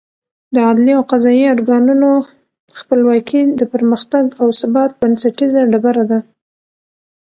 د عدلي او قضايي ارګانونو خپلواکي د پرمختګ او ثبات بنسټیزه ډبره ده.